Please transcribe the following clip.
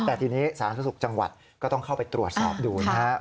แต่ทีนี้สาธารณสุขจังหวัดก็ต้องเข้าไปตรวจสอบดูนะครับ